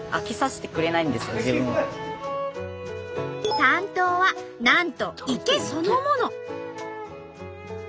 担当はなんと池そのもの。